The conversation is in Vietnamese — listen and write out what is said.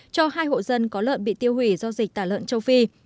cho hai hộ dân có lợn bị tiêu hủy do dịch tả lợn châu phi